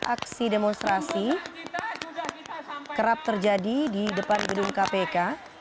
aksi demonstrasi kerap terjadi di depan gedung kpk